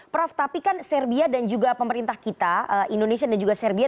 prof tapi kan serbia dan juga pemerintah kita indonesia dan juga serbia